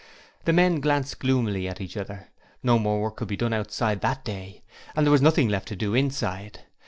The men glanced gloomily at each other. No more work could be done outside that day, and there was nothing left to do inside.